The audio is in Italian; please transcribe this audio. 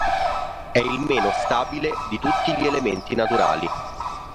È il meno stabile di tutti gli elementi naturali.